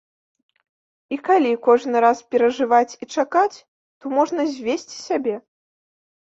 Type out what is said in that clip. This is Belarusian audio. І калі кожны раз перажываць і чакаць, то можна звесці сябе.